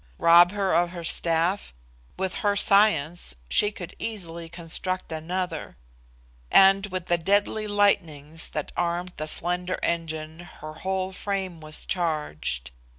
Rob her of her staff, with her science she could easily construct another; and with the deadly lightnings that armed the slender engine her whole frame was charged.